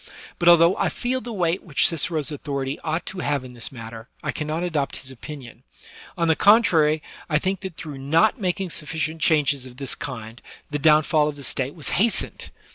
But although I feel the weight which Cicero's authority ought to have in this matter, I cannot adopt his opinion; on the con trary, I think that through not making sufficient changes of this kind, the downfall of the State was hastened.